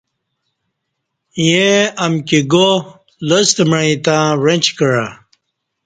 ییں امکی گا لستہ معی تہ وعݩچ کعہ